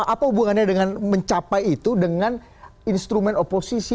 apa hubungannya dengan mencapai itu dengan instrumen oposisi